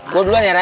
gue duluan ya ray